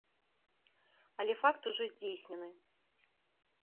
Але факт ужо здзейснены.